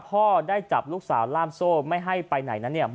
พ่อได้จับลูกสาวล่ามโซ่ไม่ให้ไปไหนนั้นเนี่ย